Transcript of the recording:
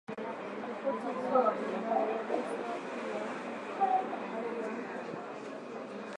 Ripoti hiyo imeorodhesha pia hali ya uhuru wa habari